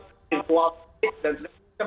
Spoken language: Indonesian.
bikin kualitas dan sebagainya